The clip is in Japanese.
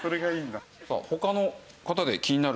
さあ他の方で気になる。